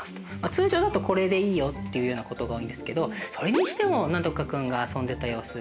通常だとこれでいいよっていうようなことが多いんですけど「それにしても何とか君が遊んでた様子